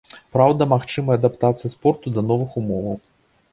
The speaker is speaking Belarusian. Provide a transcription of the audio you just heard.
Праўда, магчымая адаптацыя спорту да новых умоваў.